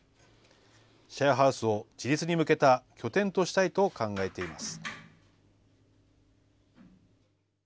シェアハウスを自立に向けた拠点としたいと考えています。